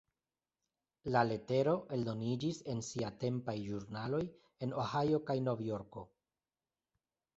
La letero eldoniĝis en siatempaj ĵurnaloj en Ohio kaj Novjorko.